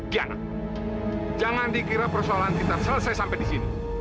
jangan dikira persoalan kita selesai sampai di sini